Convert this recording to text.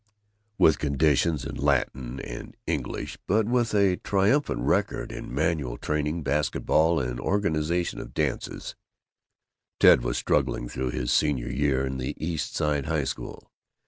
With conditions in Latin and English but with a triumphant record in manual training, basket ball, and the organization of dances, Ted was struggling through his Senior year in the East Side High School.